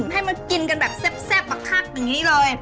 ให้มากินกันแบบแซ่บคักอย่างนี้เลย